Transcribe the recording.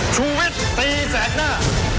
ชีวิตตีแสงหน้า